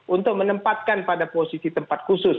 untuk menempatkan pada posisi tempat khusus